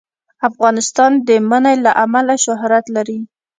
افغانستان د منی له امله شهرت لري.